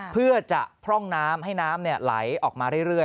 เพื่อจะพร่องน้ำให้น้ำไหลออกมาเรื่อย